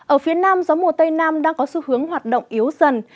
ở phía nam gió mùa tây nam đang có xu hướng hoạt động yếu dần